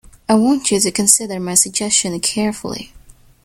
I want you to consider my suggestion carefully.